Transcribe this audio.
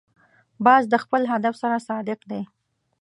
باز د خپل هدف سره صادق دی